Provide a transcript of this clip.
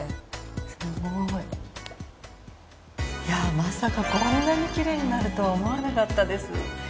いやまさかこんなにきれいになるとは思わなかったです。